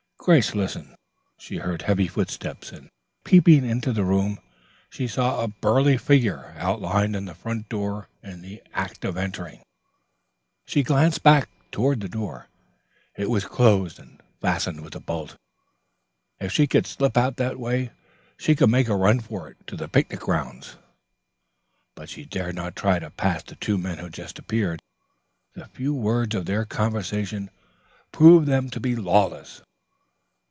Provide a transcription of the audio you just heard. Grace listened. She heard heavy footsteps, and, peeping into the room, she saw a burly figure outlined in the front door in the act of entering. She glanced toward the back door. It was closed and fastened with a bolt. If she could slip out that way, she could make a run for the picnic grounds, but she dared not try to pass the two men who had just appeared. The few words of their conversation proved them to be lawless.